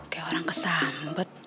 kayak orang kesambet